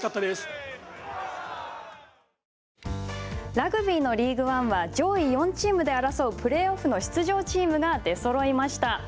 ラグビーのリーグワンは上位４チームで争うプレーオフの出場チームが出そろいました。